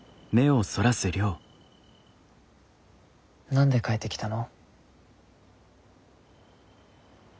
何で帰ってきたの？